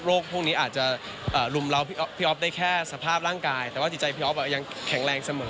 พวกนี้อาจจะรุมเราพี่อ๊อฟได้แค่สภาพร่างกายแต่ว่าจิตใจพี่อ๊อฟยังแข็งแรงเสมอ